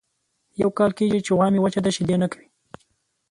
یو کال کېږي چې غوا مې وچه ده شیدې نه کوي.